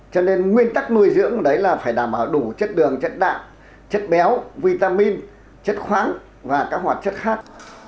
cho nên nguyên tắc nuôi dưỡng đấy là phải đảm bảo đủ chất đường chất đạm chất béo vitamin chất khoáng và các hoạt chất khác